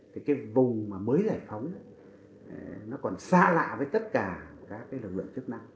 cái vùng mới giải phóng nó còn xa lạ với tất cả các lực lượng